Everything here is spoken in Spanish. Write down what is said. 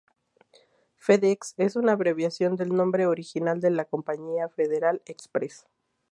FedEx es una abreviación del nombre original de la compañía: Federal Express.